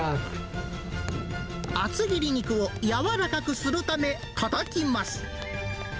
厚切り肉をやわらかくするため、たたきます。